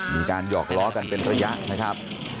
มีการหยอกล้อกันเป็นสยะนะครับ